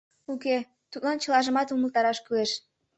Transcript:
Уке, тудлан чылажымат умылтараш кӱлеш.